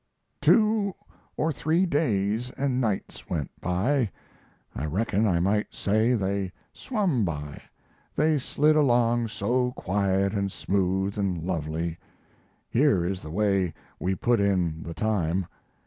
Two or three days and nights went by; I reckon I might say they swum by, they slid along so quiet and smooth and lovely. Here is the way we put in the time.